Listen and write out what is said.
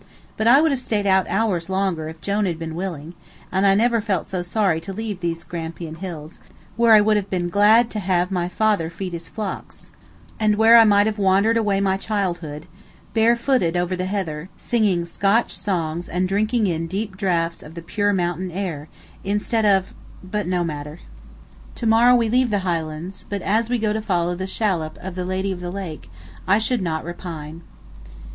But I would have stayed out hours longer if Jone had been willing, and I never felt so sorry to leave these Grampian Hills, where I would have been glad to have had my father feed his flocks, and where I might have wandered away my childhood, barefooted over the heather, singing Scotch songs and drinking in deep draughts of the pure mountain air, instead of but no matter. To morrow we leave the Highlands, but as we go to follow the shallop of the "Lady of the Lake," I should not repine.